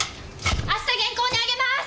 明日原稿であげます！